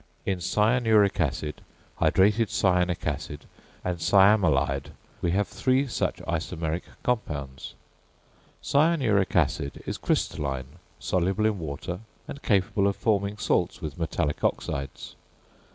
In cyanuric acid, hydrated cyanic acid, and cyamelide, we have three such isomeric compounds. Cyanuric acid is crystalline, soluble in water, and capable of forming salts with metallic oxides.